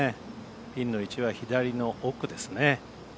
ピンの位置は左の奥ですね。